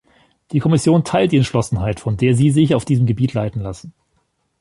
Die Kommission teilt die Entschlossenheit, von der Sie sich auf diesem Gebiet leiten lassen.